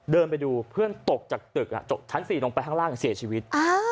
เดินไปดูเพื่อนตกจากตึกชั้น๔ลงไปข้างล่างเสียชีวิต